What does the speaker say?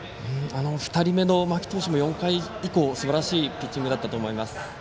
２人目の間木投手も４回以降すばらしいピッチングだったと思います。